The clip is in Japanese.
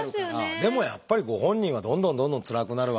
でもやっぱりご本人はどんどんどんどんつらくなるわけだし。